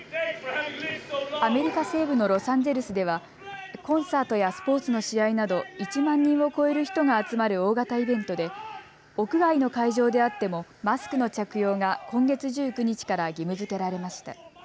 アメリカ西部のロサンゼルスではコンサートやスポーツの試合など１万人を超える人が集まる大型イベントで屋外の会場であってもマスクの着用が今月１９日から義務づけられました。